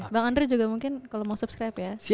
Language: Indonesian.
bang andre juga mungkin kalau mau subscribe ya